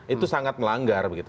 itu sangat melanggar begitu